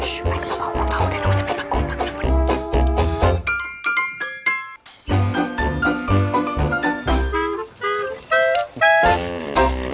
ช่ไปกระเป๋าได้รู้จะเป็นประกงบมากน้อย